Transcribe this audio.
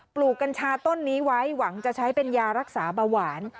ลูกกัญชาต้นนี้ไว้หวังจะใช้เป็นยารักษาเบาหวาน